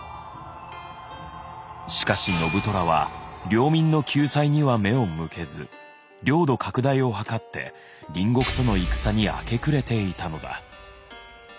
しかし信虎は領民の救済には目を向けず領土拡大を図って隣国との戦に明け暮れていたのだ。